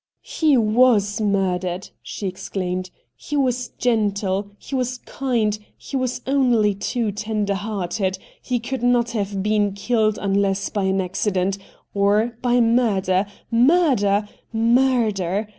' He was murdered !' she exclaimed. ' He was gentle, he was kind, he was only too tender hearted — he could not have been killed unless by an accident, or by murder, murder, murder